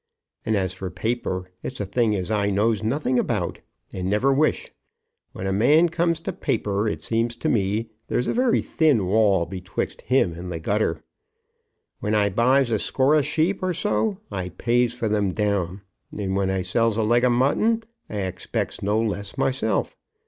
And as for paper, it's a thing as I knows nothing about, and never wish. When a man comes to paper, it seems to me there's a very thin wall betwixt him and the gutter. When I buys a score of sheep or so, I pays for them down; and when I sells a leg of mutton, I expects no less myself.